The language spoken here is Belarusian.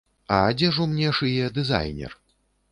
А адзежу мне шые дызайнер.